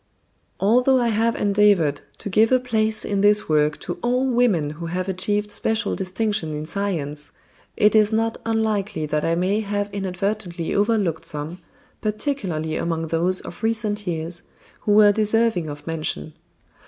Although I have endeavored to give a place in this work to all women who have achieved special distinction in science, it is not unlikely that I may have inadvertently overlooked some, particularly among those of recent years, who were deserving of mention.